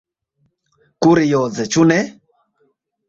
Kurioze, ĉu ne?